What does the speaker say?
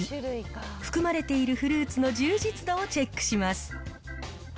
含まれているフルーツの充実度をチェックします。